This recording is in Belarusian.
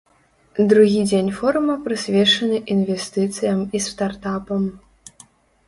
Другі дзень форума прысвечаны інвестыцыям і стартапам.